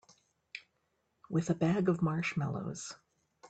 With a bag of marshmallows.